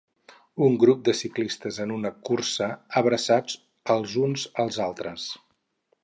Un grup de ciclistes en una cursa abraçats els uns als altres.